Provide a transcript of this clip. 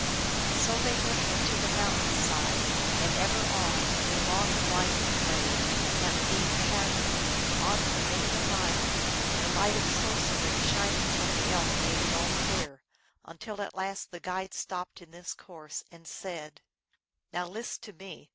And so they went into the mountain side, and ever on, a long and winding way, down a deep cavern, on for many a mile, the light of sorcery shining from the elf made it all clear, until at last the guide stopped in his course, and said :" Now list to me.